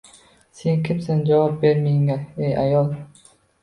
Sen kimsan, javob ber menga, ey ayol?